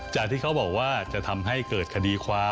จากที่เขาบอกว่าจะทำให้เกิดคดีความ